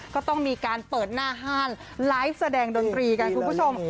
ก็ต้องมีการเปิดหน้าห้านไลฟ์แสดงดนตรีกันคุณผู้ชม